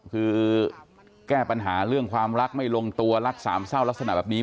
คือแก้ปัญหาเรื่องความรักไม่ลงตัวรักสามเศร้าลักษณะแบบนี้